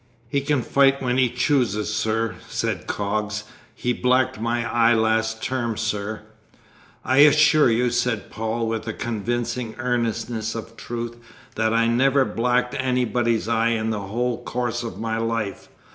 "He can fight when he chooses, sir," said Coggs; "he blacked my eye last term, sir!" "I assure you," said Paul, with the convincing earnestness of truth, "that I never blacked anybody's eye in the whole course of my life.